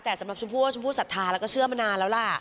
แต่สำหรับชมพู่ว่าชมพู่ศรัทธาแล้วก็เชื่อมานานแล้วล่ะ